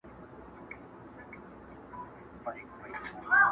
اوبو اخيستی ځگ ته لاس اچوي.